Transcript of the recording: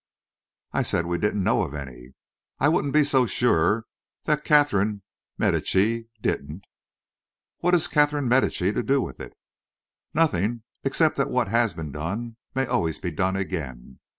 "I said we didn't know of any. I wouldn't be so sure that Catherine de Medici didn't." "What has Catherine de Medici to do with it?" "Nothing except that what has been done may always be done again.